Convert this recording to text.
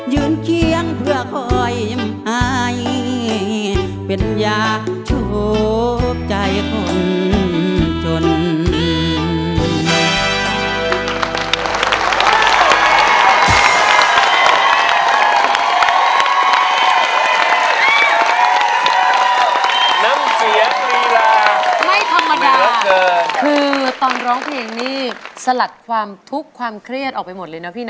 ยืนเคียงเพื่อคอยใหม่